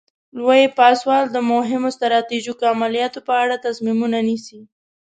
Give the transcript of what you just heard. لوی پاسوال د مهمو ستراتیژیکو عملیاتو په اړه تصمیمونه نیسي.